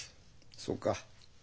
そうか。